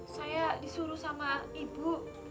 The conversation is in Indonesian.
saya disuruh sama ibu